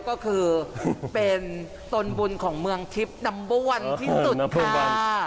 ก็คือเป็นตนบุญของเมืองทิพย์นัมบ้วนที่สุดค่ะ